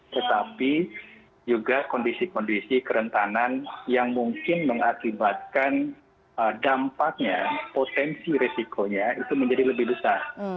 tetapi juga kondisi kondisi kerentanan yang mungkin mengakibatkan dampaknya potensi risikonya itu menjadi lebih besar